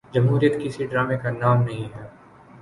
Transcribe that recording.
جمہوریت کسی ڈرامے کا نام نہیں ہے۔